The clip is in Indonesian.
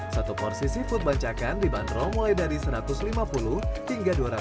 satu porsi seafood bancakan dibanderol mulai dari satu ratus lima puluh hingga dua ratus lima puluh ribu rupiah